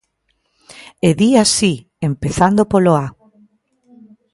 E di así, empezando polo A.